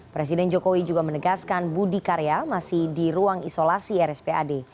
presiden jokowi juga menegaskan budi karya masih di ruang isolasi rspad